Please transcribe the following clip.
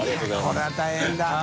これは大変だ。